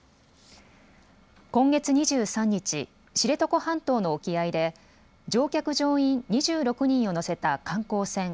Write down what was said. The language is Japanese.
今月２３日、知床半島の沖合で乗客・乗員２６人を乗せた観光船